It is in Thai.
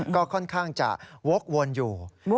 ก็ค่อนข้างจะวกวนอยู่